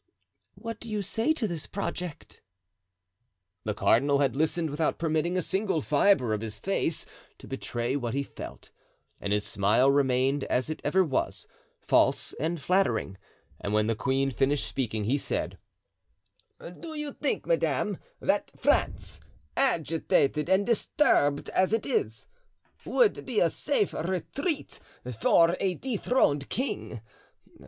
What do you say to this project?" The cardinal had listened without permitting a single fibre of his face to betray what he felt, and his smile remained as it ever was—false and flattering; and when the queen finished speaking, he said: "Do you think, madame, that France, agitated and disturbed as it is, would be a safe retreat for a dethroned king?